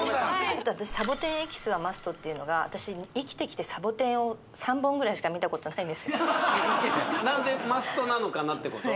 あとサボテンエキスはマストっていうのが私生きてきてサボテンを３本ぐらいしか見たことないんです何でマストなのかなってこと？